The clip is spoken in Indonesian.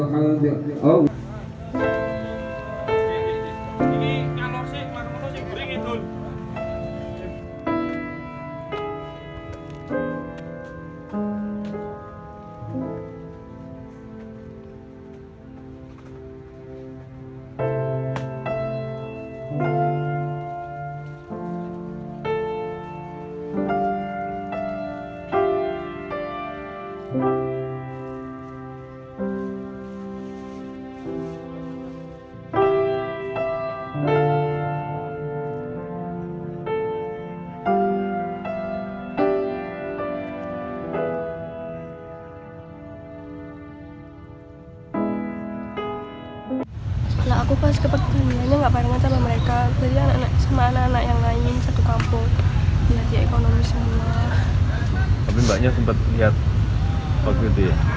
tapi mbaknya sempat lihat waktu itu ya